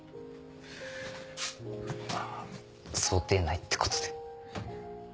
まぁ想定内ってことで。